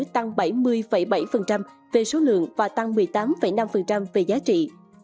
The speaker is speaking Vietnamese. tăng bảy mươi bảy về số lượng và tăng một mươi tám năm về giá trị